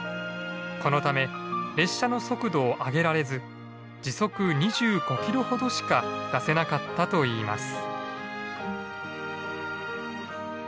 このため列車の速度を上げられず時速２５キロほどしか出せなかったといいます。